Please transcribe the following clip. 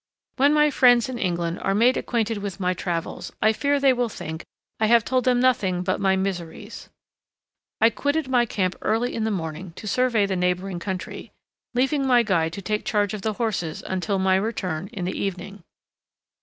When my friends in England are made acquainted with my travels I fear they will think I have told them nothing but my miseries…. I quitted my camp early in the morning to survey the neighboring country, leaving my guide to take charge of the horses until my return in the evening.